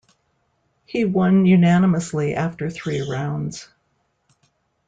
He won unanimously after three rounds.